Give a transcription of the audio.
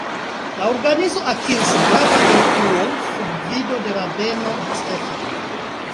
La organizo akiris gravan influon sub gvido de rabeno Stephen.